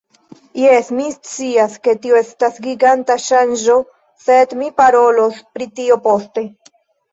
Jes, mi scias ke tiu estas giganta ŝanĝo sed mi parolos pri tio poste